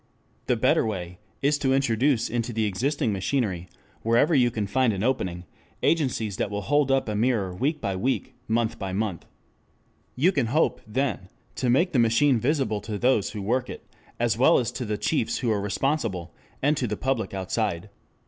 The better way is to introduce into the existing machinery, wherever you can find an opening, agencies that will hold up a mirror week by week, month by month. You can hope, then, to make the machine visible to those who work it, as well as to the chiefs who are responsible, and to the public outside.